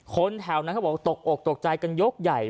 คนแถวนั้นเขาบอกตกอกตกใจกันยกใหญ่